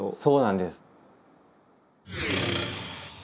そうなんです。